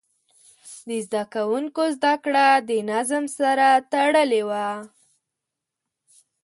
د زده کوونکو زده کړه د نظم سره تړلې وه.